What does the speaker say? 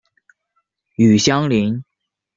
与相邻。